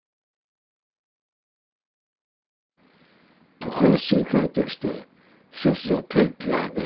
告発する会として一つの転機がね